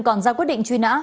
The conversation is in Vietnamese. còn ra quyết định truy nã